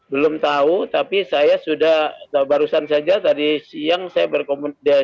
belum tahu tapi saya sudah barusan saja tadi siang saya berkomunikasi